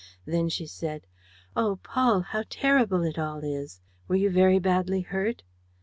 Then she said: "Oh, Paul, how terrible it all is! Were you very badly hurt?"